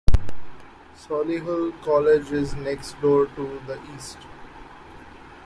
Solihull College is next-door to the east.